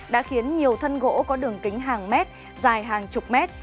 đã khiến nhiều thân gỗ có đường kính hàng mét dài hàng chục mét